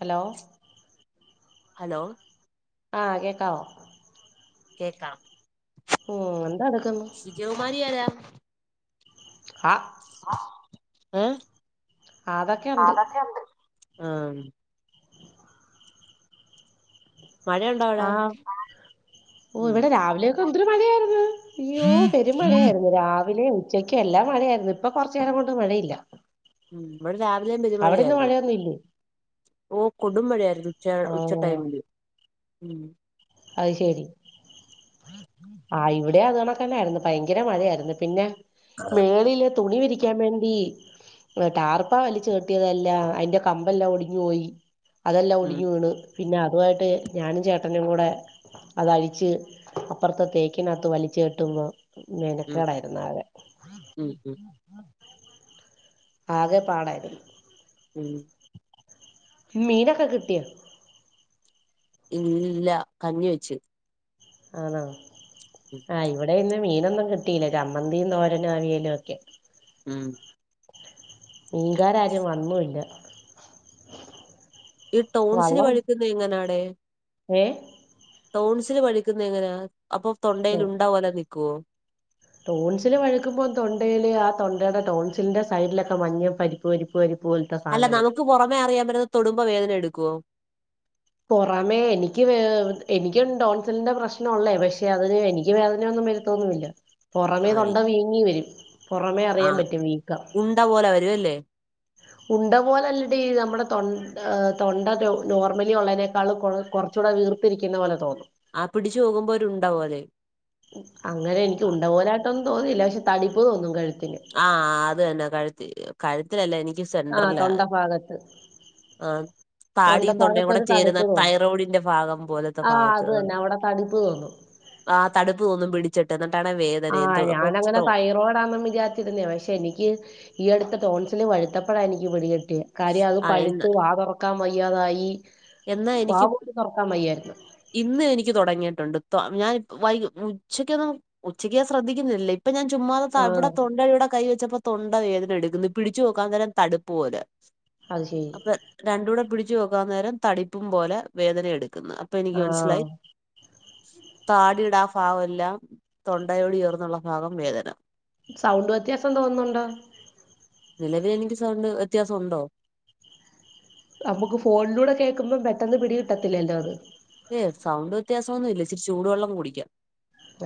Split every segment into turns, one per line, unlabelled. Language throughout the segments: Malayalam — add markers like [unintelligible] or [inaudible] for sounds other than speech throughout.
ഹലോ
ഹലോ
ആഹ കേക്കാവോ
കേക്കാം
ഉ എന്താ അതക്കന്ന്
ജവ്മാരി ആരാ
ആഹ്
അഹ്
അതൊക്കെ
ആഹ്
ഉണ്ട്
അതക്കണ്ട്
ആഹ്
[unintelligible]
ഓ
ഉം
ഇവിടെ രാവിലെയൊക്കെ എന്തൊരു മഴയായിര്ന്ന് അയ്യോ പെരും മഴയായിരുന്നു രാവിലെ ഉച്ചയ്ക്കും എല്ലാ മഴയായിരുന്നു ഇപ്പൊ കുറച്ച നേരം കൊണ്ട് മഴയില്ല
ഇവിടെ രാവിലെ പെരുമഴ
അവിടെ ഇന്ന്
ആയിരുന്നു
മഴയൊന്നും ഇല്ലേ
ഓ കൊടുമഴായിരുന്നു ഉച്ച
ആഹ്
ഉച്ചടൈമില്
അത് ശരി ആഹ് ഇവിടെ അതു ഓണക്ക തന്നെ ആരുന്നു ഭയങ്കര മഴയായിരുന്നു പിന്നെ മേളില് തുണി വിരിക്ക ക്കാൻ വേണ്ടി ടാർപ വലിച്ച് കെട്ടിയതെല്ല അതിന്റെ കമ്പെല്ലാം ഒടിഞ്ഞു പോയി അതെല്ലാം
ഉം
ഒടിഞ്ഞു വീണു പിന്നെ അതു ആയിട്ട് ഞാനും ചേട്ടനയും കൂടെ അതഴിച്ച് അപ്പുറത്തെ തേക്കിനകത്ത് വലിച്ച കെട്ടുമ്പോ
ഉം
മനക്കേടായിരുന്നു ആകെ
ഉം ഉം
ആകെ പാടായിരുന്നു
ഉം
മീനൊക്കെ കിട്ടിയൊ
ഇല്ല കഞ്ഞി വെച്ചു
ആണോ ആഹ് ഇവിടെ ഇന്ന് മീനൊന്നും കിട്ടിയില്ലേ ചമ്മന്തിയും തോരനും അവിയലും ഒക്കെ
ഉം
മീകാര്‌ ആര്‌ വന്നുല്ല
ഈ ടൗൺസിന് കഴിക്കുന്നത് എങ്ങനാണേ
ഏഹ്
ടൗൺസില് പലിക്കുന്ന എങ്ങനാ അപ്പൊ തൊണ്ടൽ ഉണ്ടാവോലെ നിക്കുവോ
ടോൺസില് വഴുക്കുമ്പോം തൊണ്ടയില് ആഹ് തൊണ്ടയുടെ ടോൺസിലിന്റെ സൈഡിലൊക്കെ മഞ്ഞ പരിപ്പ് പരിപ്പ് പരിപ്പ് പോലത്തെ
അല്ല
സാധനം വരും
നമുക്ക് പുറമേ അറിയാൻറ്റുന്ന അത്തൊടുമ്പോ വേദന എടുക്കുവോ
പുറമേ എനിക്ക് എനിക്ക് ഡോൺസലന്റെ പ്രശ്നം ഉള്ളേ പക്ഷെ അതിന് എനിക്ക് വേദനൊന്നും വരു ന്നില്ല പുറമേ
ആഹ്
തൊണ്ട വീങ്ങി വരും പുറമേ അറിയാൻ പറ്റും വീക്കാം
ഇതാ ഓല വരുമല്ലോ
ഉണ്ട പോലെല്ലടി ഈ നമ്മുടെ തൊ തൊണ്ട നോർമലി ഉള്ളതിനേക്കാൾ കുറ ചൂടെ വീർതിരിക്കുന്ന പോല തോന്നും
ആഹ് പിടിച്ച് നോകുമ്പോ ഒരുണ്ട പോലെ
അങ്ങനെ എനിക്ക്
ആഹ്
ഉണ്ടപോലായിട്ടൊന്നും തോന്നില്ല പക്ഷെ തടിപ്പ് തോന്നും കഴുത്തിന്
ആഹ് അത് തന്നെ കഴുത്തി കഴുത്തിലല്ലേ എനിക്ക്
ആ
സെന്റ്റലാ
തൊണ്ട ഭാഗത്ത്
ആഹ്
തൊണ്ട
താടിയും തൊണ്ടയും
ഭാഗത്ത്
കൂടെ
ഒരു
ചേരുന്ന
തടിപ്പ് തോന്നും
തൈറോയിഡിന്റെ ഭാഗം പോലത്തെ
ആ
ഭാഗത്ത്
അത് തന്നെ അവിടെ തടിപ്പ് തോന്നും
ആഹ് തടിപ്പ് തോന്നും പിടിച്ചിട്ട് എന്നിട്ടാണ് വേദ
ആഹ് ഞാനങ്ങനെ തൈറോയ്ഡ് ന്നാ വിജാ പക്ഷെ എനിക്ക് ഈ അടുത്ത ടോൺസിൽ പഴുത്തപ്പെഴാ എനിക്ക് പിടി കിട്ടിയേ കാര്യം അത്
ആഹ് എന്ന്
പഴുത്ത് വാ തൊറക്കാൻ വയ്യാതായി
എന്നാ
വാ
എനിക്ക്
പോലും തുറക്കാൻ വയ്യായിരുന്നു
ഇന്ന് എനിക്ക് തുടങ്ങിയിട്ടുണ്ട് ഞാൻ വൈക ഉച്ചക്കൊന്നും ഉച്ചക്ക് ഞാൻ ശ്രദ്ധിക്കുന്നില്ലേ ഇപ്പ ഞാൻ ചുമ്മാതത്ത അവിടെ
ആഹ്
തൊണ്ടയുടെ കൈ വെച്ചപ്പോ തൊണ്ട വേദന എടുക്കുന്നു പിടിച്ചു നോക്കാം അന്നേരം തടുപ്പുപോലെ
അത്ശെരി
രണ്ടൂടെ പിടിച്ചുനോക്കാം അന്നേരം തടിപ്പും പോലെ വേദന എടുക്കുന്നു അപ്പൊ
ആഹ്
എനിക്കുമനസ്സിലായി താടീടെ ആ ഭാഗമെല്ലാം തൊണ്ടയോട് ചേർന്നുള്ളഭാഗം വേദന.
സൗണ്ട് വ്യത്യാസം തോന്നുന്നുണ്ടോ.
നിലവിലെനിക്ക് സൗണ്ട് വ്യത്യാസം ഒണ്ടോ
നമ്മുക്ക് ഫോണിലൂടെ കേക്കുമ്പം പെട്ടെന്ന് പിടി കിട്ടത്തില്ലല്ലോ അത്.
ഏ സൗണ്ട് വ്യത്യാസൊന്നും ഇല്ല ഇച്ചിരി ചൂടുവെള്ളം കുടിക്കാം.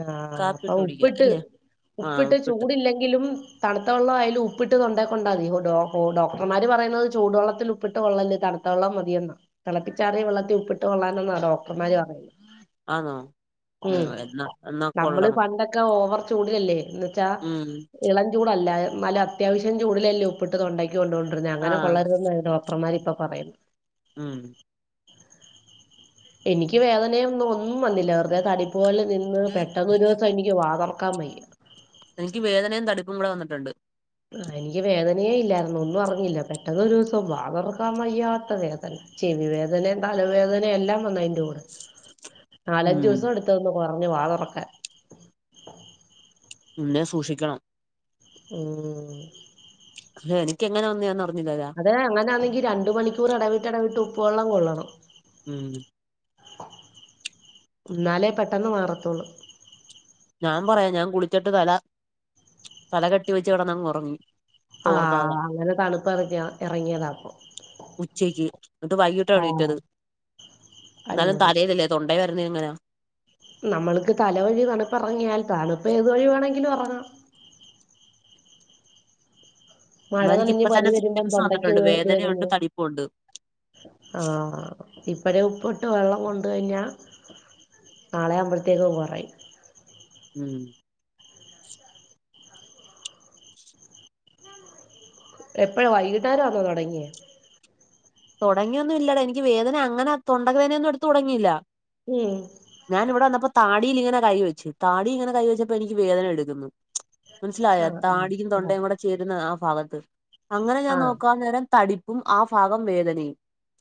ആ അപ്പൊ
കാപ്പിയിട്ട് കുടിക്കാം
ഉപ്പിട്ട്
അല്ലേ
ഉപ്പിട്ട് ചൂടില്ലെങ്കിലും തണുത്തവെള്ളം അയ്ല് ഉപ്പിട്ട് തൊണ്ടേ കൊണ്ടാമതി ഓ ഡോ ഓ ഡോക്ടർമാരുപറയുന്നത് ചൂടുവെള്ളത്തില് ഉപ്പിട്ട് വെള്ളല്ലേ തണു ത്തവെള്ളം മതിയെന്നാ തെളപ്പിച്ചാറിയ വെള്ളത്തി ഉപ്പിട്ട് കൊള്ളാനെന്നാ ഡോക്ടർമാര് പറയുന്നത്.
ആന്നൊ ഉം എന്നാ എന്നാ
നമ്മളീ
കൊള്ളണം
പണ്ടൊക്കെ ഓവർ ചൂടിലല്ലേ എന്നൂച്ചാ
ഉം
ഇ ളം ചൂടല്ലാ നല്ല അത്യാവശ്യം ചൂടിലല്ലേ ഉപ്പിട്ട് തൊണ്ടക്കു കൊണ്ടോണ്ടിരുന്നെ അങ്ങനെ
ആഹ്
കൊള്ളരുതെന്നാ ഡോക് ക്ടർമാരിപ്പൊ പറയുന്നെ.
ഉം
എനിക്ക് വേദനയൊന്നും ഒന്നും വന്നില്ല വെറുതെ തടിപ്പു പോലെ നിന്ന് പെട്ടെന്നൊരൂസം എനി ക്ക് വാതൊറക്കാൻ വയ്യാ.
എനിക്ക് വേദനയും തടിപ്പുംകുടെ വന്നിട്ടൊണ്ട്.
ആ എനിക്ക് വേദനയേ ഇല്ലായിരുന്നു ഒന്നും അറിഞ്ഞില്ല പെട്ടെന്നൊരു ദിവസം വാ തൊറക്കാൻ വയ്യാത്തവേദന. ചെവി വേദനയും തലവേദനയും എല്ലാംവന്നു അതിന്റെകൂടെ
ഉം
നാലഞ്ചൂസമെടുത്തു ഒന്നുകൊറഞ്ഞു വാ തൊറക്കാൻ.
പിന്നേം സൂക്ഷിക്കണം.
ഉം
ഹേയ് എനിക്കെങ്ങനെയാ വന്നെയെന്ന് അറിഞ്ഞില്ലല്ലോ.
അതെ അങ്ങനെയാണെങ്കി രണ്ടുമണിക്കൂർ എടവിട്ട് എടവിട്ട് ഉപ്പുവെള്ളം കൊള്ളണം.
ഉം
എന്നാലേ പെട്ടെന്നുമാറത്തൊള്ളൂ.
ഞാൻപറയാം ഞാൻ കുളിച്ചിട്ട് തല തലകെട്ടിവെച്ച് കെടന്നങ്ങൊറങ്ങി.
ആ അങ്ങനെ തണുപ്പെറങ്ങി എറങ്ങിയതാപ്പൊ
ഉച്ചക്ക് എന്നിട്ട് വൈകിട്ടായെണീറ്റത് എന്നാലും
അടിപൊളി
തലയിലല്ലേ. തൊണ്ടെ വരണയെങ്ങനാ
നമ്മള്ക്ക് തലവഴി തണുപ്പെറങ്ങിയാൽ തണുപ്പ് ഏതുവഴി വേണമെങ്കിലും എറങ്ങാം. മഴ
എന്നാ
നനഞ്ഞു
എനിക്കിപ്പ തന്നെ
പനിവരുമ്പം
സിംറ്റംസ് വന്നിട്ടുണ്ട്
തൊണ്ടക്കിത്
വേദനയുണ്ട്
ഇതുവരുന്നത്.
തടിപ്പുണ്ട്
ആഹ് ഇപ്പഴെ ഉപ്പിട്ട് വെള്ളം കൊണ്ടുകഴിഞ്ഞാ നാളെയാവുമ്പഴത്തേക്കു കൊറയും.
ഉം
എപ്പഴാ വൈകുന്നേരവാണോ തൊടങ്ങിയേ.
തൊടങ്ങിയൊന്നുവില്ലെടാ എനിക്കുവേദന അങ്ങനെ തൊണ്ടക്കു വേദനയൊന്നും എടുത്തുതൊടങ്ങിയില്ല.
ഉം
ഞാനിവിടെ വന്നപ്പോ താടിയിലിങ്ങനെ കൈവെച്ചു താടിലിങ്ങനെ കൈവെച്ചപ്പോ എനിക്കു വേദനയെടുക്കുന്നു. മനസ്സിലായോ
ആഹ്
താടിക്കും
ആഹ്
തൊണ്ടയും കൂടെ ചേരുന്നത് ആ ഭാഗത്ത് അങ്ങനെ ഞാൻ
ആഹ്
നോക്കാൻ നേരം തടി പ്പും ആ ഭാഗം വേദനയും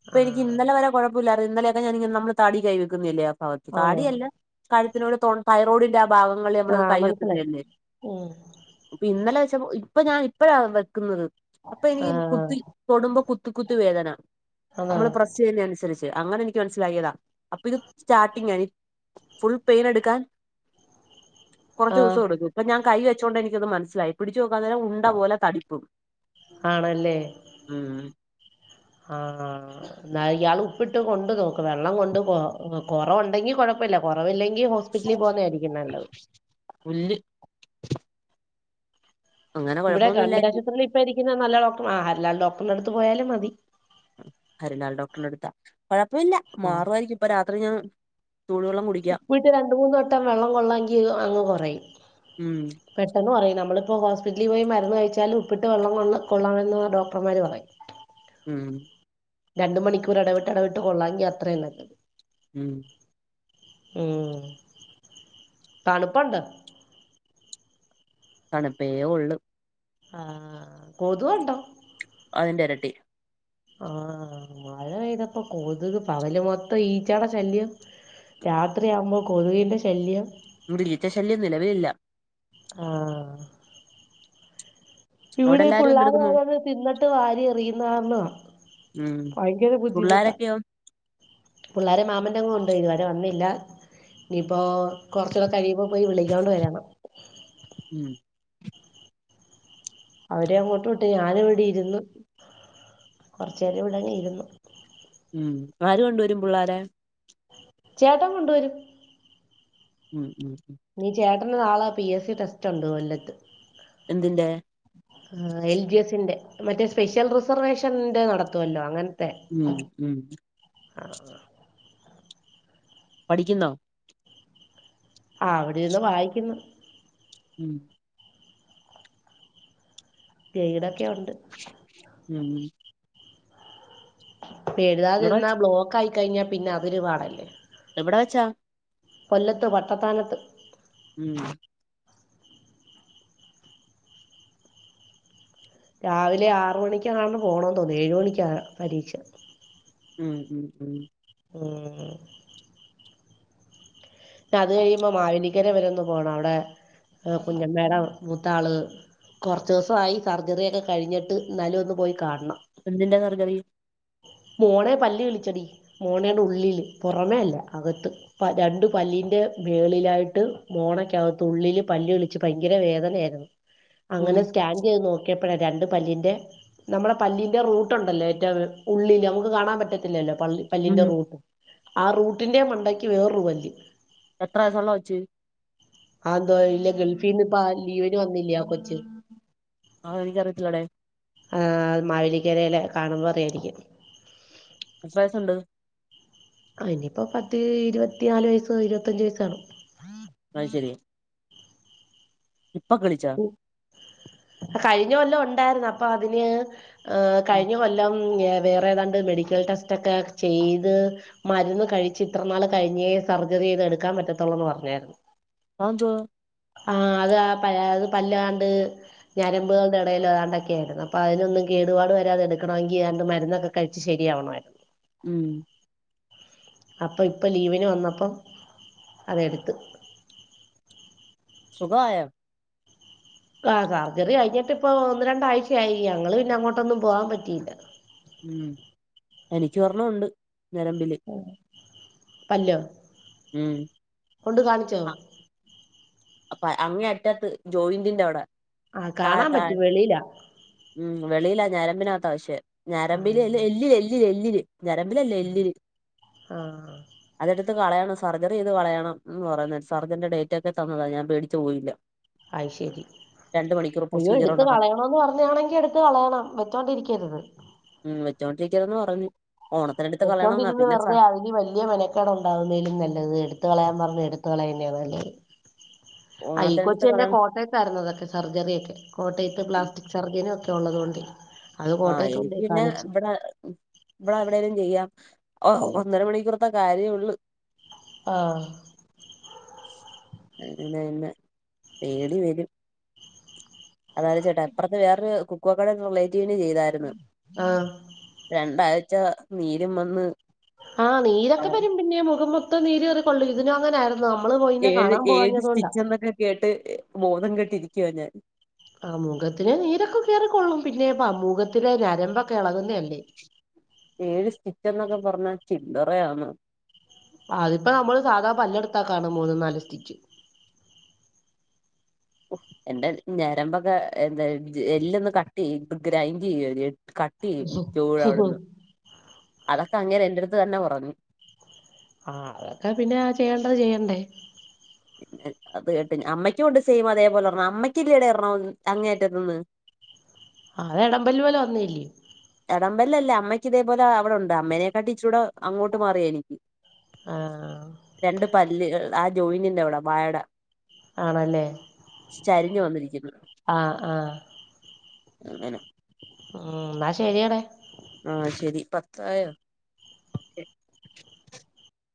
ഇപ്പൊയെനിക്ക്
ആഹ്
ഇന്നലെ വരെ കൊഴ പ്പൊല്ലാരുന്നു ഇന്നലൊയൊക്കെ ഞാനിങ്ങനെ നമ്മള് താടി കൈവെക്കുന്നയല്ലേ അപ്പൊ
ഓഹ്
താടിയല്ലാ കഴുത്തിനോട് തൊ തൈറോയ്ഡിന്റെയാ പാവങ്ങള് നമ്മള്
ആഹ്
കൈ
മനസ്സിലായി
ഒപ്പിതര്ല്ലേ
ഉം
അപ്പൊ ഇന്നലെ വെച്ചപ്പൊ ഇപ്പൊ ഞാൻ ഇപ്പഴാ വെക്കുന്നത് അപ്പൊ എനിക്ക്
ആഹ്
കുത്തി തൊടുമ്പോ കു കുത്തി കുത്തി വേദന
അതാ
നമ്മള് പ്രസ്സെയ്യുന്നെനന്സര്ച്ച് അങ്ങനെ ഇനിക്ക് മനസ്സിലായതാ അപ്പൊ ഇത് സ്റ്റാർട്ടിങ്ങായി ഇനി ഫുൾ പെയ്നെട്ക്കാൻ
ആഹ്
കുറചൂസൊടുക്കും ഇപ്പ ഞാൻ കൈ വെച്ചോണ്ട് എനിക്കത് മനസ്സ്ലായി പിടിചോക്കാതെന്നെ
ആണല്ലേ
ഉം
ആഹ് എന്ന ഇയാള് ഉപ്പിട്ട് കൊണ്ട് നോക്ക് വെള്ളം കൊണ്ട് പോ കൊറവുണ്ടെങ്കി കൊഴപ്പല്ല കൊറവില്ലെങ്കി ഹോസ് ഹോസ്പിറ്റലിൽ പോവുന്നായിരിക്കും നല്ലത്
പുല്ല് അങ്ങനെ
ഇവിടെ
കുഴപ്പമൊന്നും
ഗവൺമെന്റ്
ഇല്ലായിരുന്നു
ആശുപത്രില് ഇപ്പ ഇരിക്കുന്ന നല്ല ഡോക്ടർ ആഹ് ഹല്ലാൽ ഡോക്ടർനടുത്ത് പോയാലും മതി
ഹരിലാല് ഡോക്ടറിന്റെ അടുത്താ കുഴപ്പല്ല മാറു ആയിരിക്കും ഇപ്പൊ രാത്രി ഞാൻ ചൂടെള്ളം കുടിക്ക
വീട്ടി രണ്ട് മൂന്ന് വട്ടം വെള്ളം കൊള്ളങ്കി അങ്ങ് കൊറയും
ഉം
പെട്ടെന്ന് പറയും നമ്മളിപ്പോ ഹോസ്പിറ്റലിൽ പോയി മരുന്ന് കഴിച്ചാ ലും ഉപ്പിട്ട് വെള്ളം കൊ കൊള്ളണ മെന്ന് ഡോക്ടർമാര് പറയും
ഉം
രണ്ട് മണിക്കൂർ എടവിട്ട് എടവിട്ട് കൊള്ളാങ്കി അത്രേം നല്ലത്
ഉം
ഉം തണ്പ്പൊണ്ട്
തണ്പ്പേ ഒള്ളു
ആഹ് കൊതു ഉണ്ടോ
അതിന്റെ എരട്ടി
ആഹ് മഴ പെയ്തപ്പോ കൊതുക് പകല് മൊത്തം ഈച്ചാടെ ശല്യം രാത്രി ആവുമ്പോ കൊതുകിന്റെ ശല്യം
ഇവിടെ ഈച്ചശല്യം നിലവിലില്ല
ആഹ്
അവിടെ
ഇവിടെ
എല്ലാരും
പുള്ളാര്
എന്തെടുക്കുന്നു
ഓരോന്ന് തിന്നിട്ട് വാരി എറിയുന്നാരണ
ഉം
ഭയങ്കര ബുദ്ധിമുട്ടാ
പിള്ളാരൊക്കെയോ
പുള്ളാരെ മാമന്റെ അങ്ങ് കൊണ്ടോയ് ഇതുവരെ വന്നില്ല ഇനിയിപ്പോ കുറചൊക്കെ കഴിയുമ്പോ പോയി വിളിക്കോണ്ട് വരണം
ഉം
അവരെ അങ്ങോട്ട് വിട്ട് ഞാനി ഇവിടെ ഇരുന്നു കൊർചേരം ഇവിടെങ്ങി ഇരുന്നു
ഉം ആര് കൊണ്ടുവരും പുള്ളാരെ
ചേട്ടം കൊണ്ടുവരും
ഉം ഉം ഉം
ഇനി ചേട്ടന് നാളെ പി എസി ടെസ്റ്റ് ഉണ്ട് കൊല്ലത്ത്
എന്തിന്റെ
ആഹ് എൽ ജി എസ്ന്റെ മറ്റേ സ്പെഷ്യൽ റിസർവേഷന്റെ നടത്തുല്ലോ അങ്ങന് ത്തെ
ഉം ഉം
ആഹ് ആഹ്
പഠിക്കുന്നോ
ആഹ് അവിടിര്ന്ന് വായിക്ക്ന്ന്
ഉം
വീടൊക്കെ ഉണ്ട്
ഉം
പിള്ളാര്
എവിടെ
വെന്നാ
വെച്ച്
ബ്ലോക്ക് ആയി കഴിഞ്ഞാ പിന്നെ അവര് വാടെല്ലേ
എവിടെ വെച്ചാ
കൊല്ലത്ത് വട്ടത്താനത്ത്
ഉം
രാവിലെ ആറ് മണിക്കാണ്ട് പോണം തോന്നു ഏഴ് മണിക്കാ പരീക്ഷ
ഉം ഉം ഉം
എഹ് ഏഹ് അത് കഴിയുമ്പോ മാവേലിക്കര വരെന്നു പോണം അവിടെ കുഞ്ഞമ്മേട മൂത്താള് കൊർച്ച് ദിവസായി സർജറി ഒക്കെ കഴിഞ്ഞിട്ട് ഇന്നാലും ഒന്ന് പോയി കാണണം
എന്തിന്റെ സർജറി
മോണെ പല്ല് കിള്ച്ചെടി മോണേയുടെ ഉള്ളില് പൊറമേ അല്ല അകത്ത് പ രണ്ട് പല്ലിൻ്റെ മേളിലായിട്ട് മോണക്കെകത്ത് ഉള്ളില് പല്ലിളിച്ച് ഭയങ്കര വേദനയായിർന്നു
ഉം
അങ്ങനെ സ്കാൻ ചെയ്ത് നോക്കിയപ്പയാ രണ്ട് പല്ലിന്റെ നമ്മുടെ പല്ലിന്റെ റൂട്ടുണ്ടല്ലെ [unintelligible] ഉള്ളില് നമുക്ക് കാണാൻ പറ്റത്തില്ലല്ലോ പള്ളി
ഉം
പല്ലിന്റെ റൂട്ട് ആഹ് റൂട്ടിന്റെ മണ്ടയ്ക്ക് വേറൊരു പല്ല്
എത്രസം കൊണ്ട [unintelligible]
ആഹ് എന്തോ ഇല്ല ഗൾഫീന്ന് പാ ലീവിന് വന്നില്ലേ കൊച്ച്
ആ കാര്യം എനിക്കറിയത്തില്ലെടേ
ആഹ് മാവേലിക്കരയിലെ കാണുമ്പോൾ അറിയായിരിക്കും
എത്ര വയസ്സ്ണ്ട്
അയ്നിപ്പോ പത്ത് ഇരുപത്തിനാല് വയസ്സ് ഇരുപത്തഞ്ച് വയസ്സ് കാണും
അയ് ശെരി ഇപ്പൊ കിളിച്ചാ
കഴിഞ്ഞ കൊല്ലം ഉണ്ടായിർന്നു അപ്പൊ അതിന്
ഉം.
കഴിഞ്ഞ കൊൽ ല്ലം വേറെ ഏതാണ്ട് മെഡിക്കൽ ടെസ്റ്റ് ഒക്കെ ചെയ്ത് മരുന്ന് കഴിച്ച് ഇത്രനാൾ കഴിഞ്ഞേ സർജറി ചെയ്ത് എടുക്കാൻ പറ്റത്തുള്ളൂന്ന് പറഞ്ഞേർന്നു.
ആ ന്താ
ആഹ് അത് ആ പഴേത് പല്ലാണ്ട് ഞരമ്പുകളുടെടയിലോ അതൊക്കെയായിരുന്നു അപ്പോ അതിനൊന്നും കേടുപാട് വരാതെടുക്കണമെങ്കി അണ്ട് മരുന്നൊക്കെ കഴിച്ച് ശരിയാവണമാ [inaudible]
ഉം
അപ്പൊ ഇപ്പം ലീവിന് വന്നപ്പം അതെട്ത്ത്
സുഖ ആയോ
ആഹ് സർജറി കഴിഞ്ഞട്ട് ഇപ്പോ ഒന്ന് രണ്ടാഴ്ചയായി ഞങ്ങൾ പിന്നെ അങ്ങോട്ടൊന്നും പോകാൻ പറ്റിയില്ല.
ഉം എനിക്ക് ഒർണം ഉണ്ട് ഞരമ്പില്
പല്ലോ
ഉം
കൊണ്ട് കാണിച്ചോ
ആഹ് അപ്പ അങ്ങേ അറ്റത്ത് ജോയിന്റിന്റെ അവ്ടെ
ആഹ് കാണാൻ പറ്റൂ വെളിയിലാ
ഉം വെളിയിലാ ഞരമ്പിനകത്താ വെച്ചേ ഞരമ്പില്
ആഹ്
എല്ല് എല്ലില് എല്ലില് എല്ലില് ഞരമ്പിലല്ല എല്ലില്
ആഹ്
അതെട്ത്ത് കളയണം സർജറി ചെയ്ത് കളയണം എന്ന് പറയുന്ന സർജറിന്റെ ഡേറ്റ് ഒക്കെ തന്നതാണ് ഞാൻ പേടിച്ചു പോയില്ല
അയ് ശെരി
രണ്ട് മണിക്കൂർ
അയ്യോ
പ്രൊസീജിയർ
എടുത്ത്
ഉണ്ടെന്ന്
കളയണോന്ന് പറഞ്ഞാണെങ്കി എടു ത്തുകളയണം വെച്ചോണ്ടിരിക്കരുത്
ഉം വെച്ചോണ്ടിരിക്കതെന്ന് പറഞ്ഞു ഓണത്തിനടുത്ത് കളയണംന്നാ
പൊക്കോണ്ടിരിന്ന്
പിന്നെ സ
വെറുതെ അതിന് വല്യ വെലേ ക്കെ ഉണ്ടാവുന്നതിലും നല്ലത് എടുത്ത കളയാൻ പറഞ്ഞ എടുത്ത് കളയുന്നേ നല്ലത്. അ ഈ
ഓണത്തിനടുത്ത്
കൊച്ചന്നെ
കളയണം
കോട്ടയ തരുന്നതൊക്കെ സർജറിയൊക്കെ കോട്ടയത്തിന്നാ ചെറ്തിനൊക്കെ ഉള്ളത് കൊണ്ട്
ആഹ് എനിക്ക് പിന്നെ ഇവിടെ- ഇവിടെ എവിടേലും ചെയ്യാം ഓ ഒന്നര മണിക്കൂറത്തെ കാര്യേ ഒള്ളൂ
ആഹ്
പിന്നെ അയിമ്മെ പേടി വരും അതാ ആലോയിചിട്ടാ അപ്പറത്ത് വേറൊരു കുക്കുവക്കട റിലേറ്റീവിന് ചെയ്തായിരുന്നു.
ആ
രണ്ടാഴ്ച നീരും വന്ന്
ആഹ്
ആ
നീരൊക്കെ വരും പിന്നെ മുഖം മൊത്തം നീര് കേറി കൊള്ളി ഇതിനും അങ്ങനെ ആയിരുന്നു. നമ്മള് പോയിന്നെ
ഏഴ്
കാണാൻ
ഏഴ്
പോവാഞ്ഞതുകൊണ്ടാ.
സ്റ്റിച്ച് എന്നൊക്കെ കേട്ട് ബോധം കെട്ടിരിക്കുവാ ഞാൻ
ആഹ് മുഖത്തിന് നീരൊക്കെ കേറി ക്കൊള്ളും പിന്നെപ്പം മുഖത്തിലെ നരമ്പൊക്കെ ഇളകുന്നത് അല്ലേ
ഏഴ് സ്റ്റിിച്ച് എന്നൊക്കെ പറഞ്ഞാ ചില്ലെറയാണോ?
ആഹ് അതിപ്പോ നമ്മള് സാധാ പല്ലെടുത്താ കാണും മൂന്നും നാലും സ്റ്റിച്ച്.
എന്റെ ഞരമ്പൊക്കെ എന്താ എല്ല് ഒന്ന് കട്ട് ചെയ്യും ഗ്രൈൻഡ് ചെയ്യേനു ക ചൂല അവിടുന്ന് അതൊക്കെ അങ്ങനെ എന്റെ അടുത്ത് തന്നെ ഉറങ്ങും.
ആഹ് അതൊക്കെ പിന്നെ ചെയ്യേണ്ടത് ചെയ്യണ്ടേ?
പിന്നെ അത് കേട്ട് അമ്മയ്ക്കൂണ്ട് സെയിം അതേ പോലെ ഒര്ണം അമ്മയ്ക്കിത് ഇടെ ഇറ്ണോ അങ്ങേറ്റത്ത്ന്ന്
ആഹ് അത് എടമ്പല് വലെ ഒന്നില്ലേ
എടംമ്പലം അല്ലാ അമ്മയ്ക്ക് ഇതേപോലെ അവിടൊണ്ട് അമ്മേനെക്കാട്ടിലും ഇച്ചിരിയൂടെ അങ്ങോട്ട് മാറിയാ എനിക്ക്.
ആഹ് ആഹ്
രണ്ട് പല്ല് ആ ജോയിനിന്റെ അവിടെ വായയുടെ
ആണല്ലേ
ചരിഞ്ഞു വന്നിരിക്കുന്നു
ആഹ് ആഹ്
അങ്ങനെ
ഉം എന്നാ ശരിയെടേ
ആഹ് ശെരി പത്തായോ?